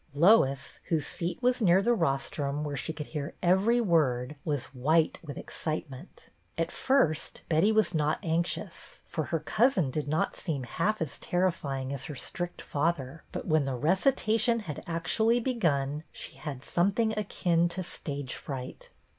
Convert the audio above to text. Lois, whose seat was near the rostrum where she could hear every word, was white with excitement. At first Betty was not anxious, for her cousin did not seem half as terrifying as her strict father; but when the recitation had actually begun she had something akin to stage fright.